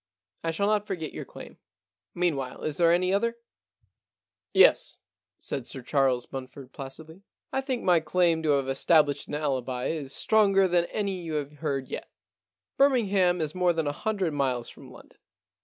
I shall not forget your claim. Meanwhile, is there any other ?* 177 The Problem Club * Yes,* said Sir Charles Bunford placidly, * I think my claim to have established an alibi is stronger than any you have heard yet. Birmingham is more than a hundred miles from London.